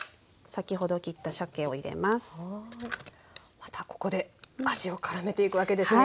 またここで味をからめていくわけですね。